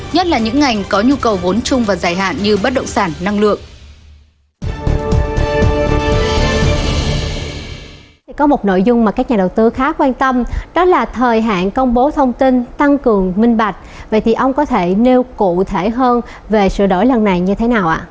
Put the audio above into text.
nhất là những ngành có nhu cầu vốn chung và dài hạn như bất động sản năng lượng